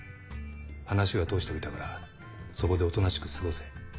話は通しておいたからそこでおとなしく過ごせ。